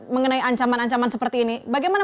mengenai ancaman ancaman seperti ini bagaimana